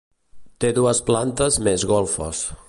Té dues plantes més golfes.